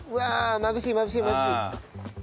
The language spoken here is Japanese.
「まぶしいまぶしいまぶしい！」。